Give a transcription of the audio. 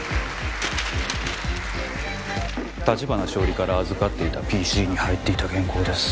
橘しおりから預かっていたＰＣに入っていた原稿です